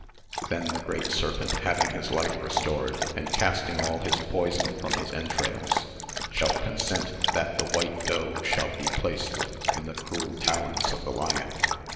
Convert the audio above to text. Then the great Serpent having his life restored, and casting all his poison from his entrails, shall consent that the white Doe shall be placed in the cruel talons of the Lion.